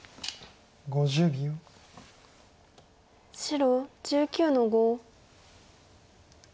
白１９の五。